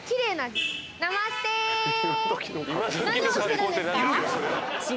何をしてるんですか？